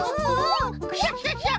クシャシャシャ！